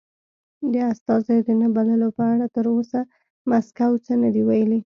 د استازیو د نه بللو په اړه تر اوسه مسکو څه نه دې ویلي.